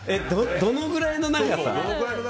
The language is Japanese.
どのぐらいの長さ？